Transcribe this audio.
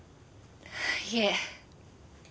いえ。